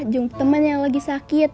jum' temen yang lagi sakit